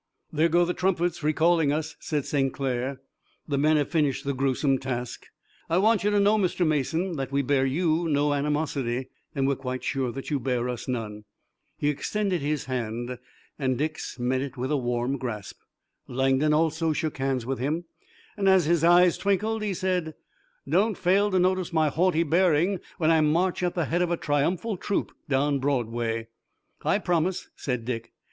"There go the trumpets recalling us," said St. Clair. "The men have finished the gruesome task. I want you to know, Mr. Mason, that we bear you no animosity, and we're quite sure that you bear us none." He extended his hand and Dick's met it in a warm grasp. Langdon also shook hands with him, and as his eyes twinkled he said: "Don't fail to notice my haughty bearing when I march at the head of a triumphal troop down Broadway!" "I promise," said Dick.